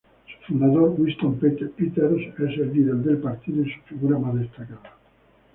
Su fundador, Winston Peters, es el líder del partido y su figura más destacada.